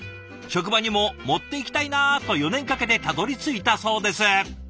職場にも持っていきたいなと４年かけてたどりついたそうです。